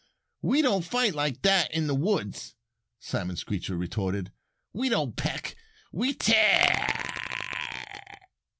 "Huh! We don't fight that way in the woods," Simon Screecher retorted. "We don't peck. We tear r r r!"